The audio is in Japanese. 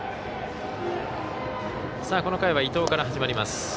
この回は伊藤から始まります。